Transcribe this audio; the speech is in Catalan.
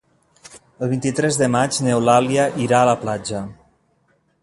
El vint-i-tres de maig n'Eulàlia irà a la platja.